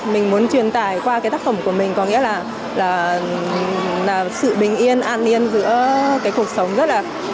mình muốn truyền tải qua cái tác phẩm của mình có nghĩa là sự bình yên an yên giữa cái cuộc sống rất là